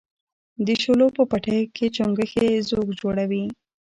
د شولو په پټیو کې چنگښې ځوږ جوړوي.